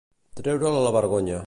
Treure'l a la vergonya.